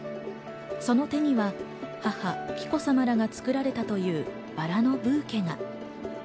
その手には母・紀子さまらが作られたというバラのブーケが。